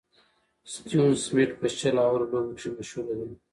ستيون سميټ په شل اورو لوبو کښي مشهوره ده.